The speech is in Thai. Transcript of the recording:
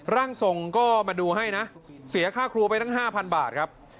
ร่างทรงก็มาดูให้นะเสียค่าครัวไปตั้ง๕๐๐บาทครับ